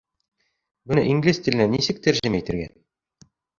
Быны инглиз теленә нисек тәржемә итергә?